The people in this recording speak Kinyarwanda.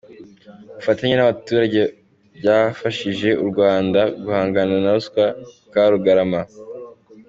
Ubufatanye n’abaturage byafashije u Rwanda guhangana na ruswa Karugarama